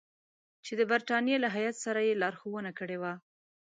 چې د برټانیې له هیات سره یې لارښوونه کړې وه.